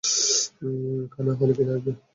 খা নাহলে খিদে লাগবে।